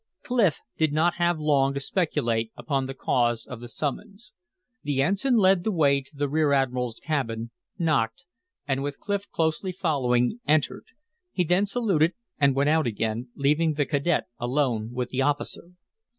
Clif did not have long to speculate upon the cause of the summons. The ensign led the way to the rear admiral's cabin, knocked, and with Clif closely following, entered. He then saluted and went out again, leaving the cadet alone with the officer.